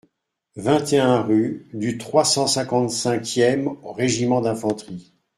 vingt et un rue du trois cent cinquante-cinq e Régiment d'Infanterie